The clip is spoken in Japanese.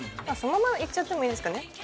そのままいっちゃってもいいですかね。